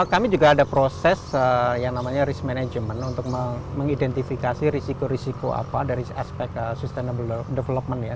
kami juga ada proses yang namanya risk management untuk mengidentifikasi risiko risiko apa dari aspek sustainable development ya